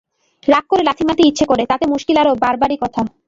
রাগ করে লাথি মারতে ইচ্ছে করে, তাতে মুশকিল আরো বাড়বারই কথা।